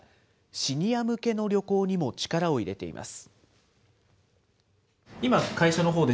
シニア向けの旅行にも力を入れています。